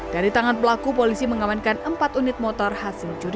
dari tangan pelaku polisi mengamankan empat unit motor yang telah dikumpulkan